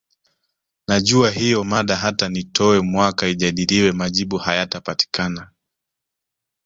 Najua hiyo mada hata nitowe mwaka ijadiliwe majibu hayatapatikana